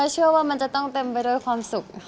เชื่อว่ามันจะต้องเต็มไปด้วยความสุขค่ะ